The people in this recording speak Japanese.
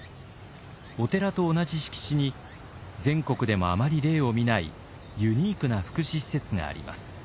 お寺と同じ敷地に全国でもあまり例を見ないユニークな福祉施設があります。